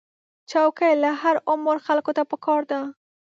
چوکۍ له هر عمر خلکو ته پکار ده.